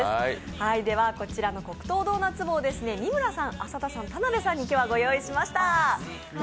ではこちらの黒糖ドーナツ棒を三村さん、浅田さん、田辺さんに今日はご用意いたしました。